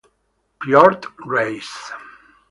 Piotr Reiss